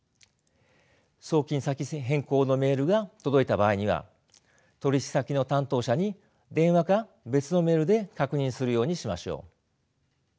送金先変更のメールが届いた場合には取引先の担当者に電話か別のメールで確認するようにしましょう。